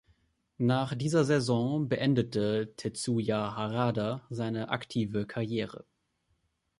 Nach dieser Saison beendete Tetsuya Harada seine aktive Karriere.